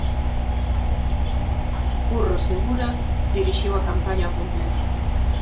Curro Segura dirixiu a campaña ao completo.